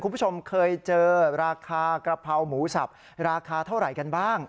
คุณผู้ชมเคยเจอราคากระเพราหมูสับราคาเท่าไหร่กันบ้าง